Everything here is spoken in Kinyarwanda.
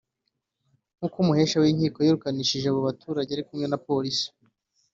nk’uko umuhesha w’inkiko wirukanishije abo baturage ari kumwe na Polisi